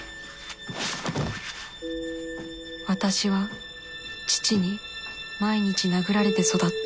私は父に毎日殴られて育った